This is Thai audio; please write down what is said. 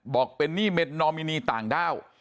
บอกเป็นหนี้เม็ดนอมินีต่างด้าว